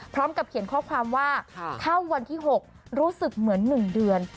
พร้อมกับเขียนข้อความว่าเข้าวันที่๖รู้สึกเหมือน๑เดือน